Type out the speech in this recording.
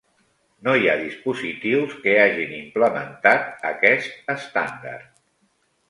No hi ha dispositius que hagin implementat aquest estàndard.